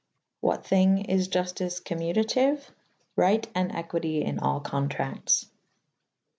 What thyng is Juftyce commutatyue? Ryght and equite in all contractes.